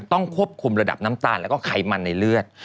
ต้องควบคุมระดับน้ำตาลแล้วก็ไขมันในเลือด